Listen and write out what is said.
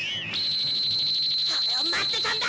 「これを待ってたんだ。